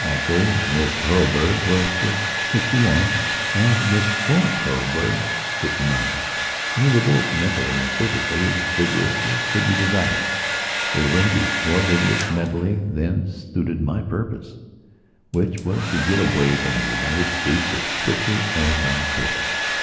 Actually Miss Hurlbird was just sixty one and Miss Florence Hurlbird fifty nine, and they were both, mentally and physically, as vigorous as could be desired. They were, indeed, more vigorous, mentally, than suited my purpose, which was to get away from the United States as quickly as I could.